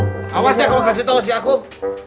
gitu tau si akum